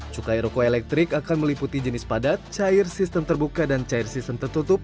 cukai roko elektrik akan meliputi jenis padat cair sistem terbuka dan cair sistem tertutup